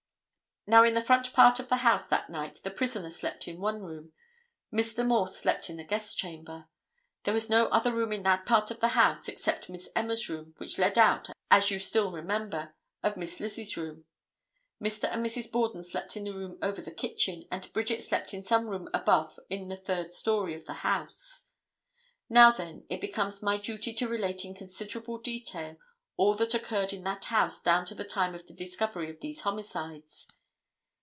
Now, in the front part of the house that night the prisoner slept in one room, Mr. Morse slept in the guest chamber. There was no other room in that part of the house, except Miss Emma's room, which led out, as you still remember, of Miss Lizzie's room. Mr. and Mrs. Borden slept in the room over the kitchen, and Bridget slept in some room above in the third story of the house. Now, then, it becomes my duty to relate in considerable detail all that occurred in that household down to the time of the discovery of these homicides.